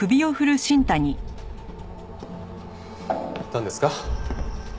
なんですか？